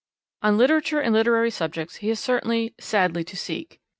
On literature and literary subjects he is certainly 'sadly to seek.'